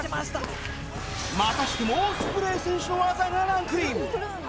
またしてもオスプレイ選手の技がランクイン